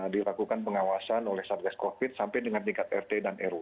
dilakukan pengawasan oleh satgas covid sampai dengan tingkat rt dan rw